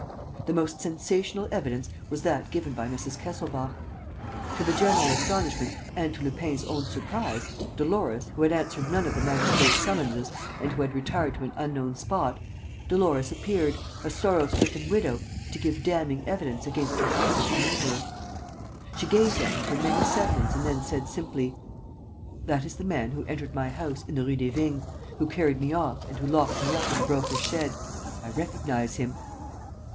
The most sensational evidence was that given by Mrs. Kesselbach. To the general astonishment and to Lupin's own surprise, Dolores, who had answered none of the magistrate's summonses and who had retired to an unknown spot, Dolores appeared, a sorrow stricken widow, to give damning evidence against her husband's murderer. She gazed at him for many seconds and then said, simply: "That is the man who entered my house in the Rue des Vignes, who carried me off and who locked me up in the Broker's shed. I recognize him."